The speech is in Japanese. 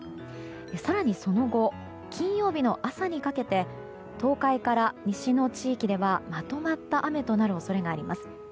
更にその後、金曜日の朝にかけて東海から西の地域ではまとまった雨となる恐れがあります。